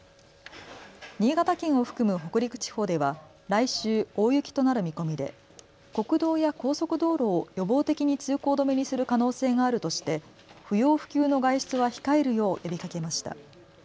新潟県を含む北陸地方では来週、大雪となる見込みで国道や高速道路を予防的に通行止めにする可能性があるとして不要不急の外出は控えるよう呼びかけました。